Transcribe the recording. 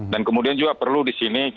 dan kemudian juga perlu disini